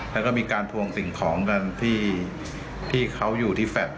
แล้วก็มีการทวงสิ่งของกันที่เขาอยู่ที่แฟลต